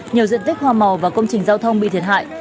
nhiều diện tích hoa màu và công trình giao thông bị thiệt hại